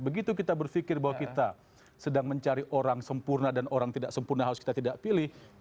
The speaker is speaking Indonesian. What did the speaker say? begitu kita berpikir bahwa kita sedang memilih antara mohon maaf saya gunakan kata setan dan malaikan